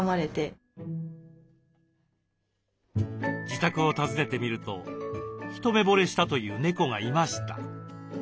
自宅を訪ねてみると一目ぼれしたという猫がいました。